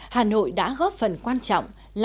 hà nội đã góp phần quan trọng